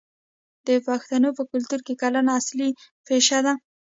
د پښتنو په کلتور کې کرنه اصلي پیشه ده.